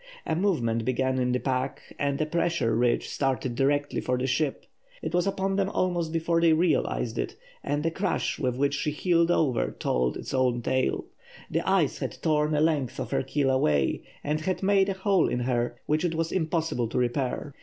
A movement began in the pack, and a pressure ridge started directly for the ship. It was upon them almost before they realised it, and the crash with which she heeled over told its own tale. The ice had torn a length of her keel away, and had made a hole in her which it was impossible to repair.